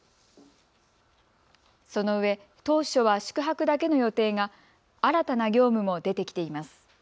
そのうえ当初は宿泊だけの予定が新たな業務も出てきています。